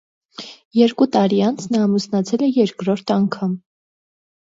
Երկու տարի անց նա ամուսնացել է երկրորդ անգամ։